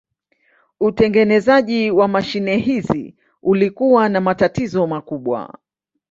Utengenezaji wa mashine hizi ulikuwa na matatizo makubwa.